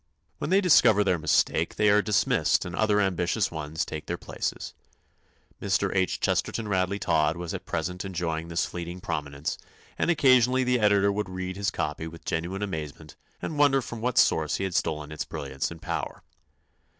When they discover their mistake they are dismissed and other ambitious ones take their places. Mr. H. Chesterton Radley Todd was at present enjoying this fleeting prominence, and occasionally the editor would read his copy with genuine amazement and wonder from what source he had stolen its brilliance and power.